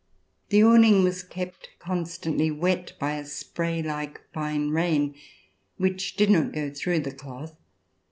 This awning was kept constantly wet by a spray like fine rain which did not go through the cloth.